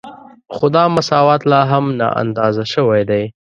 خو دا مساوات لا هم نااندازه شوی دی